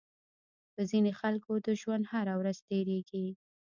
په ځينې خلکو د ژوند هره ورځ تېرېږي.